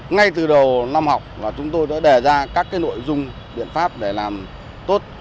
ngay từ đầu năm học chúng tôi đã đề ra các nội dung biện pháp để làm tốt